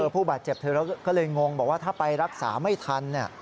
ผู้บาดเจ็บเธอก็เลยงงบอกว่าถ้าไปรักษาไม่ทัน